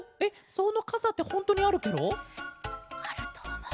そのかさってほんとうにあるケロ？あるとおもう。